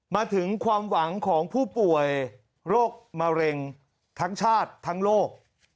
มาถึงความหวังของผู้ป่วยโรคมะเร็งทั้งชาติทั้งโลก